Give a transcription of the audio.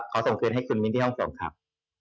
ขอส่งเงินให้คุณมิ้นท์ที่ห้องตรงครับ